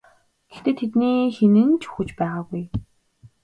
Гэхдээ тэдний хэн нь ч үхэж байгаагүй.